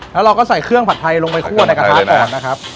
แล้วเราก็ใส่เครื่องผัดไทยลงไปคั่วในกระทะก่อนนะครับ